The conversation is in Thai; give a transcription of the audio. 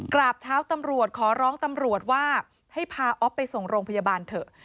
กราบเท้าตำรวจขอร้องตำรวจว่าให้พาอ๊อฟไปส่งโรงพยาบาลเถอะ